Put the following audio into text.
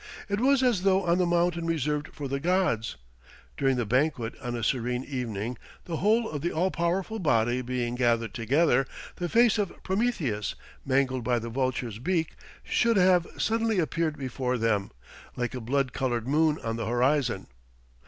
It was as though on the mountain reserved for the gods, during the banquet on a serene evening, the whole of the all powerful body being gathered together, the face of Prometheus, mangled by the vulture's beak, should have suddenly appeared before them, like a blood coloured moon on the horizon.